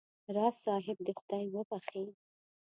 راز صاحب دې خدای وبخښي.